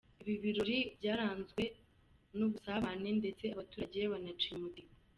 Ibi birori byaranzwe n’ubusabane ndetse abaturage banacinya umudiho.